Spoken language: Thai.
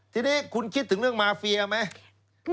ทีนี้คุณคิดถึงเรื่องมาเฟียไหม